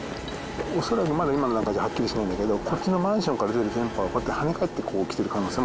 おそらくまだ今の段階じゃはっきりしないんだけどこっちのマンションから出る電波がこうやって跳ね返ってこう来てる可能性もある。